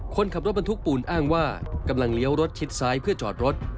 คนขับรถบรรทุกปูนอ้างว่ากำลังเลี้ยวรถชิดซ้ายเพื่อจอดรถ